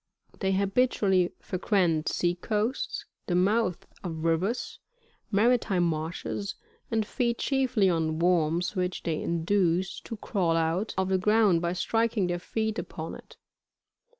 They habitually frequent sea coasts, the mouths of rivers, mantime marshes, and feed chiefly on worms, which they induce to crawl out of the ground by striking their feet upon it.